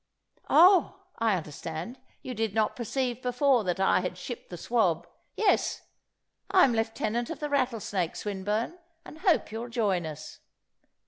"Oh! I understand: you did not perceive before that I had shipped the swab. Yes, I'm lieutenant of the Rattlesnake, Swinburne, and hope you'll join us."